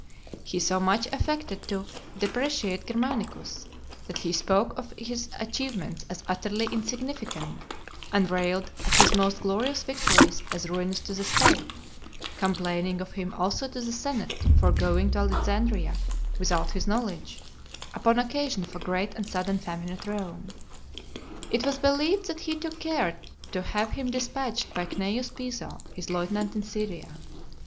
He so much affected to depreciate Germanicus, that he spoke of his achievements as utterly insignificant, and railed at his most glorious victories as ruinous to the state; complaining of him also to the senate for going to Alexandria without his knowledge, upon occasion of a great and sudden famine at Rome. It was believed that he took care to have him dispatched by Cneius Piso, his lieutenant in Syria.